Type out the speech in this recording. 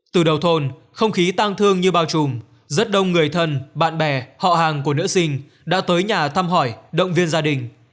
từ đầu thôn không khí tang thương như bao trùm rất đông người thân bạn bè họ hàng của nữ sinh đã tới nhà thăm hỏi động viên gia đình